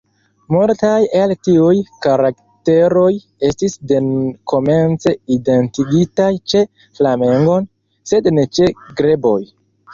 Multaj el tiuj karakteroj estis dekomence identigitaj ĉe flamengoj, sed ne ĉe greboj.